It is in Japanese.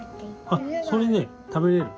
あっそれね食べれる。